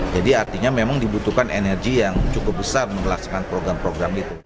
jadi artinya memang dibutuhkan energi yang cukup besar untuk melaksanakan program program itu